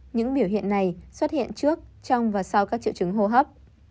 những biểu hiện này xuất hiện trước trong và sau các triệu chứng hô hấp